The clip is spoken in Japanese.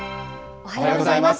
おはようございます。